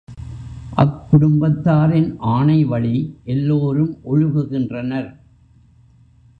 அக்குடும்பத்தாரின் ஆணைவழி எல்லாரும் ஒழுகுகின்றனர்.